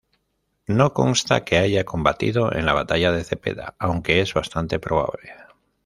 No consta que haya combatido en la batalla de Cepeda, aunque es bastante probable.